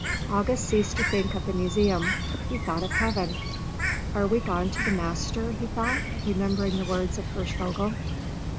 August ceased to think of the museum; he thought of heaven. "Are we gone to the Master?" he thought, remembering the words of Hirschvogel.